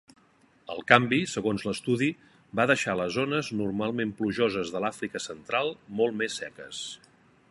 El canvi, segons l'estudi, va deixar les zones normalment plujoses de l'Àfrica central molt més seques.